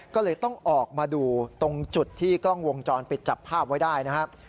ก็เลยต้องออกมาดูตรงจุดที่กล้องวงจรปิดจับภาพไว้ได้นะครับ